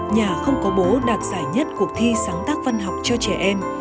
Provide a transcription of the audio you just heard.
nhà không có bố đạt giải nhất cuộc thi sáng tác văn học cho trẻ em